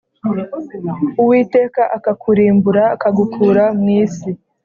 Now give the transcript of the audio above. Uwiteka akakurimbura akagukura mu isi